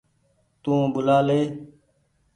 تو ٻوُلآ لي ۔